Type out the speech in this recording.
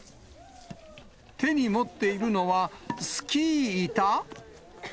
手に持っているのは、スキー板？